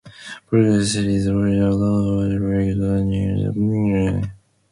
Polk City is located along Saylorville Lake and near Big Creek State Park.